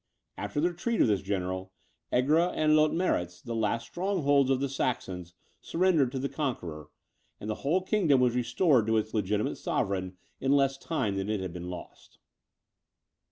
After the retreat of this general, Egra and Leutmeritz, the last strongholds of the Saxons, surrendered to the conqueror: and the whole kingdom was restored to its legitimate sovereign, in less time than it had been lost.